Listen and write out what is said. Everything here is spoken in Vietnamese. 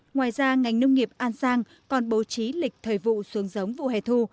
ngoài ra ngành nông nghiệp an giang còn bố trí lịch thời vụ xuống giống vụ hè thu